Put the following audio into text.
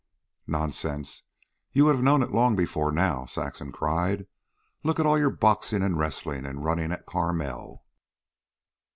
"Nonsense! you would have known it long before now," Saxon cried. "Look at all your boxing, and wrestling, and running at Carmel."